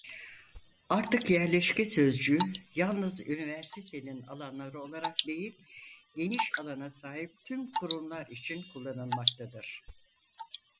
Artık yerleşke sözcüğü yalnız üniversitenin alanları olarak değil geniş alana sahip tüm kurumlar için kullanılmaktadır.